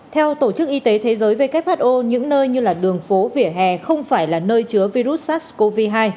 theo tổ chức y tế thế giới who những nơi như đường phố vỉa hè không phải là nơi chứa virus sars cov hai